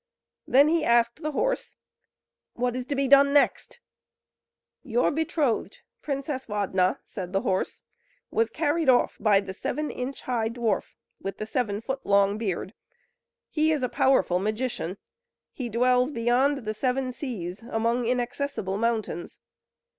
Then he asked the horse: "What is to be done next?" "Your betrothed, Princess Ladna," said the horse, "was carried off by the seven inch high dwarf, with the seven foot long beard; he is a powerful magician; he dwells beyond the seven seas, among inaccessible mountains.